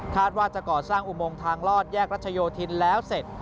ว่าจะก่อสร้างอุโมงทางลอดแยกรัชโยธินแล้วเสร็จ